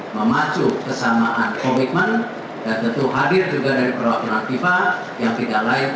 memacu kesamaan komitmen dan tentu hadir juga dari perwakilan fifa yang tidak lain